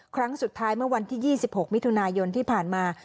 ครั้งสุดท้ายเมื่อวันที่๒๖มิถุนายนที่ผ่านมา